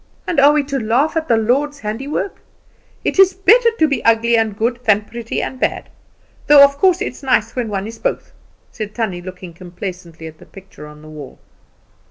And are we to laugh at the Lord's handiwork? It is better to be ugly and good than pretty and bad; though of course it's nice when one is both," said Tant Sannie, looking complacently at the picture on the wall.